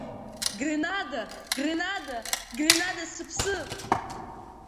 Гренада, Гренада, Гренада сыԥсы!